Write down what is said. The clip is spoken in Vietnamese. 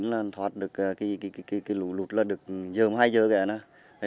là thoát được cái lụt là được giờ hai giờ kìa nè